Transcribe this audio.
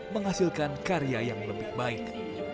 menghasilkan karya yang lebih baik